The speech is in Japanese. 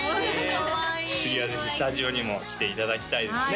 かわいい次はぜひスタジオにも来ていただきたいですね